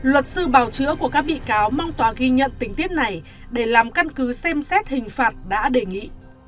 luật sư bào chữa của các bị cáo mong tòa ghi nhận tình tiết này để làm căn cứ xem xét hình phạt đã đề nghị